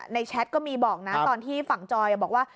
แชทก็มีบอกนะตอนที่ฝั่งจอยบอกว่า